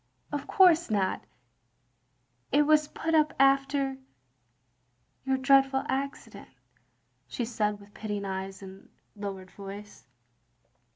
"Of course not. It was put up after — ^your dreadful accident," she said with pitying eyes and lowered voice.